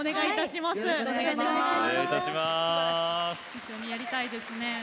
一緒にやりたいですね。